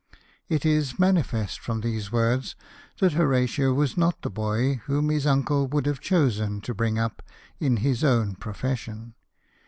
It is manifest from these words, that Horatio was not the boy whom his uncle would have chosen to bring up in his own profession.